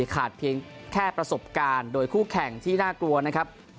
เพียงแค่ประสบการณ์โดยคู่แข่งที่น่ากลัวนะครับ